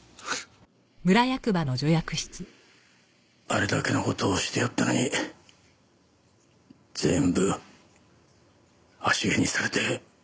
あれだけの事をしてやったのに全部足蹴にされて。